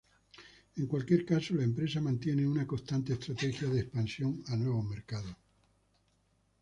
En cualquier caso, la empresa mantiene una constante estrategia de expansión a nuevos mercados.